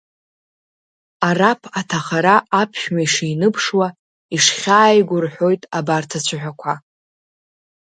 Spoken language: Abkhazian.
Араԥ аҭахара аԥшәма ишиныԥшуа, ишхьааиго рҳәоит абарҭ ацәа-ҳәақәа…